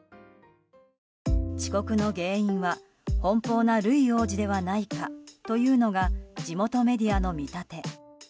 遅刻の原因は、奔放なルイ王子ではないかというのが地元メディアの見立て。